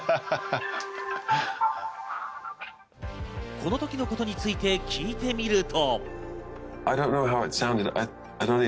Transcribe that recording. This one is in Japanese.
このときのことについて聞いてみると。